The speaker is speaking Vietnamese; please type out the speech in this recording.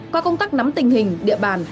qua công tác nắm tình hình địa bàn